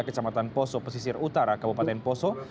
kecamatan poso pesisir utara kabupaten poso